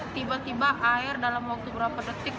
tiba tiba air dalam waktu berapa detik